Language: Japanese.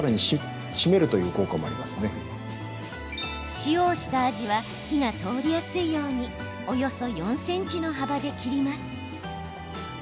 塩をしたアジは火が通りやすいようにおよそ４ｃｍの幅で切ります。